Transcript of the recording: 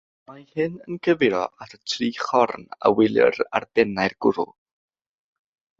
Mae hyn yn cyfeirio at y tri chorn a welir ar bennau'r gwryw.